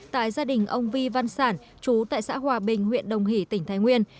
tại gia đình ông vi văn sản chú tại xã hòa bình huyện đồng hỷ tỉnh thái nguyên